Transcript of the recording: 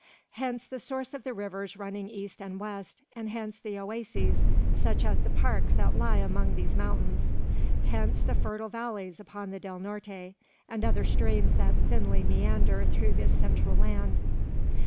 Hence the source of the rivers running east and west, and hence the oases, such as the parks that lie among these mountains. Hence the fertile valleys upon the Del Norte, and other streams that thinly meander through this central land.